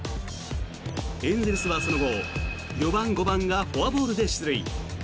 エンゼルスはその後４番、５番がフォアボールで出塁。